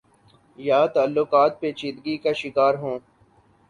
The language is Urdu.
یا تعلقات پیچیدگی کا شکار ہوں۔۔